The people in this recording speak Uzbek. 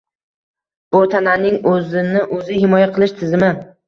Bu tananing “o’zini o’zi himoya qilish” tizimi